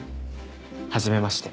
はじめまして。